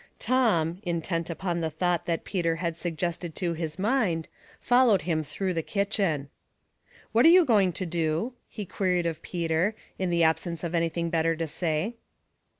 Tom, intent upon the thought that Peter had suggested to his mind, followed him through the kitchen. " What are you going to do ?" he queried of Peter, in the absence of any thing better to say.